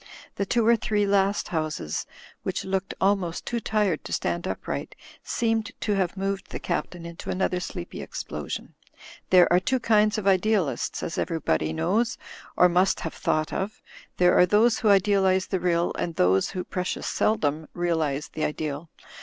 The two or three last houses, which looked almost too tired to stand upright, seemed to have moved the Captain info another sleepy explosion. "There are two kinds of idealists, as everybody knows— or must have thought of. There are those who idealize the real and those who (precious seldom) realize the ideal.